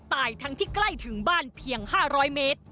ตายทั้งที่ใกล้ถึงบ้านเพียงห้าร้อยเมตร